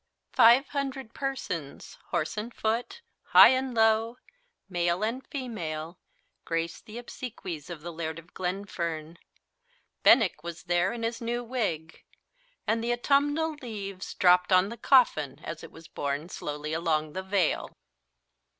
Five hundred persons, horse and foot, high and low, male and female, graced the obsequies of the Laird of Glenfern. Benenck was there in his new wig, and the autumnal leaves dropped on the coffin as it was borne slowly along the vale!